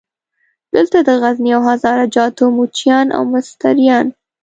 دلته د غزني او هزاره جاتو موچیان او مستریان.